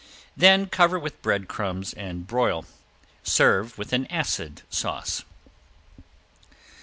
Then cover with bread crumbs and broil. Serve with an acid sauce.